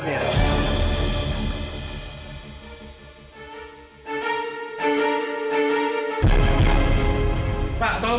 saya sudah terang